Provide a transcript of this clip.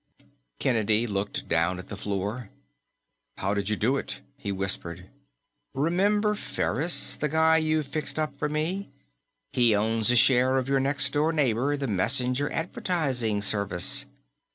Kennedy looked down at the floor. "How did you do it?" he whispered. "Remember Ferris? The guy you fixed up for me? He owns a share of your next door neighbor, the Messenger Advertising Service.